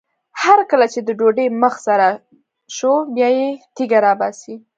هر کله چې د ډوډۍ مخ سره شو بیا یې تیږه راباسي.